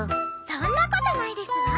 そんなことないですわ。